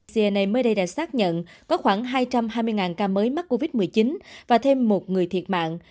cnne mới đây đã xác nhận có khoảng hai trăm hai mươi ca mới mắc covid một mươi chín và thêm một người thiệt mạng